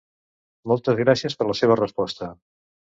Moltes gràcies per la seva resposta.